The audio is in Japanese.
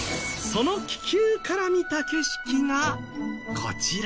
その気球から見た景色がこちら。